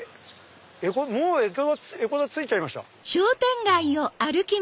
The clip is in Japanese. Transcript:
もう江古田着いちゃいました。